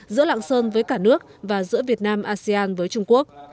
giữa lạng sơn với cả nước và giữa việt nam asean với trung quốc